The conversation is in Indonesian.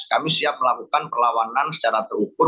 kami siap melakukan perlawanan secara terukur